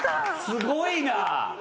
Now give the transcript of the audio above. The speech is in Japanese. すごいな。